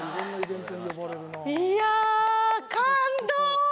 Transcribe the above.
いや、感動！